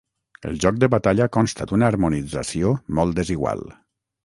El joc de Batalla consta d'una harmonització molt desigual.